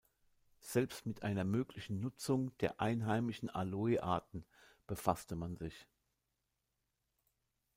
Selbst mit einer möglichen Nutzung der einheimischen Aloe-Arten befasste man sich.